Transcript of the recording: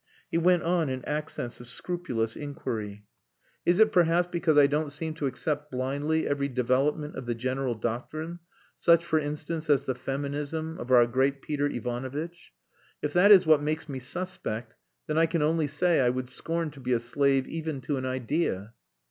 He went on in accents of scrupulous inquiry "Is it perhaps because I don't seem to accept blindly every development of the general doctrine such for instance as the feminism of our great Peter Ivanovitch? If that is what makes me suspect, then I can only say I would scorn to be a slave even to an idea."